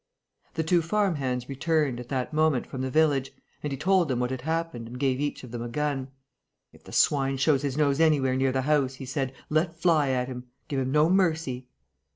The two farm hands returned, at that moment, from the village; and he told them what had happened and gave each of them a gun: "If the swine shows his nose anywhere near the house," he said, "let fly at him. Give him no mercy!"